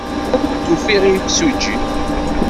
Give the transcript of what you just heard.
Werɛad ur d-ufiɣ imsujji.